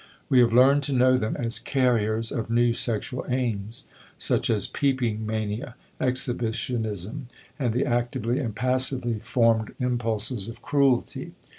We have learned to know them as carriers of new sexual aims, such as peeping mania, exhibitionism, and the actively and passively formed impulses of cruelty.